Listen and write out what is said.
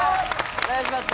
お願いします。